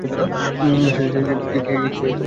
কে একথা জিজ্ঞেস করবে, মিয়া?